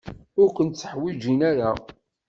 Ur kent-tteḥwijin ara.